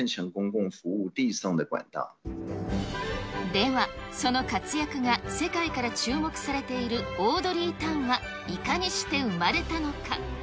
では、その活躍が世界から注目されているオードリー・タンは、いかにして生まれたのか。